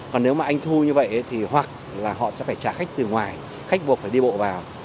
còn nếu mà anh thu như vậy thì hoặc là họ sẽ phải trả khách từ ngoài khách buộc phải đi bộ vào